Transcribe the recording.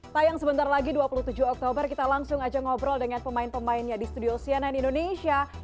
tayang sebentar lagi dua puluh tujuh oktober kita langsung aja ngobrol dengan pemain pemainnya di studio cnn indonesia